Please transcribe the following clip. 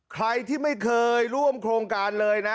ใครที่ไม่เคยร่วมโครงการเลยนะ